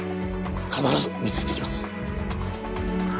必ず見つけてきます。